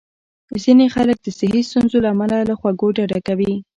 ځینې خلک د صحي ستونزو له امله له خوږو ډډه کوي.